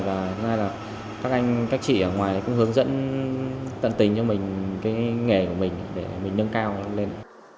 và thứ hai là các anh các chị ở ngoài cũng hướng dẫn tận tình cho mình cái nghề của mình để mình nâng cao lên